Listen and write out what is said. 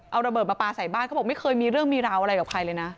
เอาระเบิดมาปลาใส่บ้านเขาบอกไม่เคยมีเรื่องมีราวอะไรกับใครเลยนะ